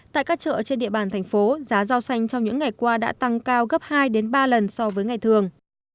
tại các chợ trên địa bàn thành phố giá rau xanh trong những ngày qua đã tăng cao gấp hai ba lần so với ngày thường